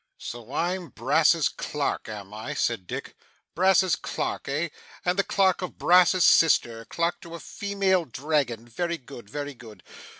'So I'm Brass's clerk, am I?' said Dick. 'Brass's clerk, eh? And the clerk of Brass's sister clerk to a female Dragon. Very good, very good!